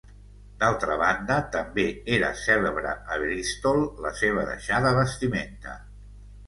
D'altra banda, també era cèlebre a Bristol la seva deixada vestimenta.